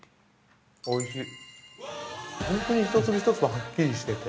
おいしい。